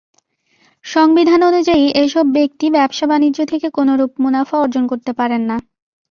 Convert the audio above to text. সংবিধান অনুযায়ী, এসব ব্যক্তি ব্যবসা-বাণিজ্য থেকে কোনোরূপ মুনাফা অর্জন করতে পারেন না।